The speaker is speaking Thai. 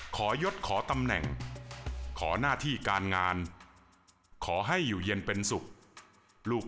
ยดขอตำแหน่งขอหน้าที่การงานขอให้อยู่เย็นเป็นสุขลูก